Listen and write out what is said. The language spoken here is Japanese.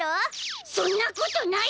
そんなことない！